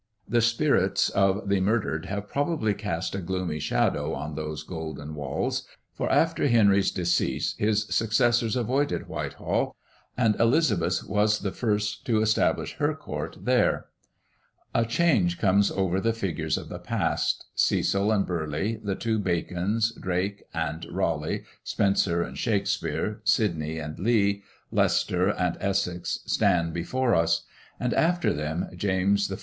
The spirits of the murdered have probably cast a gloomy shadow on those golden walls, for after Henry's decease his successors avoided Whitehall, and Elizabeth was the first to establish her court there. A change comes over the figures of the past Cecil and Burleigh, the two Bacons, Drake and Raleigh, Spenser and Shakespere, Sydney and Lee, Leicester and Essex, stand before us. And after them James I.